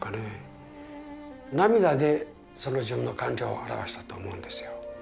涙でその自分の感情を表したと思うんですよ。